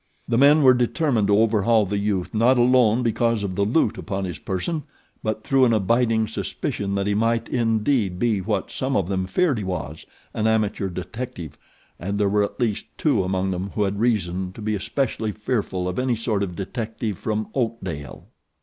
The men were determined to overhaul the youth not alone because of the loot upon his person but through an abiding suspicion that he might indeed be what some of them feared he was an amateur detective and there were at least two among them who had reason to be especially fearful of any sort of detective from Oakdale.